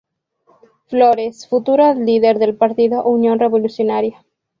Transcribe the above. Flores, futuro líder del Partido Unión Revolucionaria.